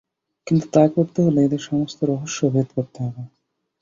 কিন্তু তা করতে হলে এদের সমস্ত রহস্য ভেদ করতে হবে।